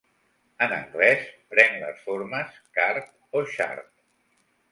En anglès, pren les formes "card" o "chart".